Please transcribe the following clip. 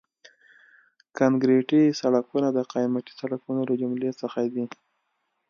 کانکریټي سړکونه د قیمتي سړکونو له جملې څخه دي